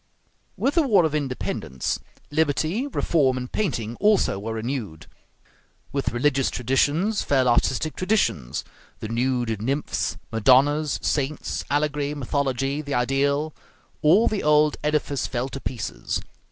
With the war of independence, liberty, reform, and painting also were renewed. With religious traditions fell artistic traditions; the nude nymphs, Madonnas, saints, allegory, mythology, the ideal all the old edifice fell to pieces.